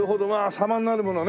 様になるものね